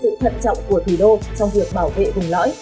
nói chung là nơi này có tầm quan trọng của thủy đô trong việc bảo vệ vùng lõi